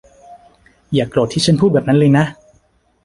อย่าโกรธที่ฉันพูดแบบนั้นเลยนะ